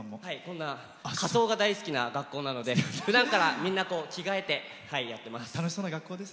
仮装が大好きな学校なのでふだんから着替えてやっています。